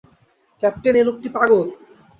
Captain, এই লোকটা পাগল!